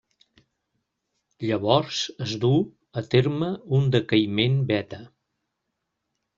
Llavors, es duu a terme un decaïment beta.